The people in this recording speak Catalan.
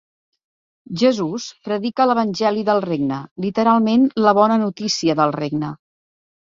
Jesús predica l'evangeli del regne, literalment la bona notícia del regne.